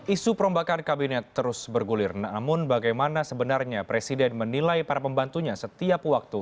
isu perombakan kabinet terus bergulir namun bagaimana sebenarnya presiden menilai para pembantunya setiap waktu